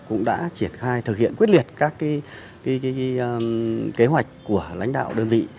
cũng đã triển khai thực hiện quyết liệt các kế hoạch của lãnh đạo đơn vị